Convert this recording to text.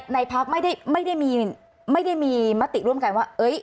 ในพักไม่ได้มีมติร่วมกันว่า